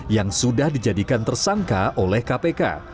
yang sudah dijadikan tersangka oleh kpk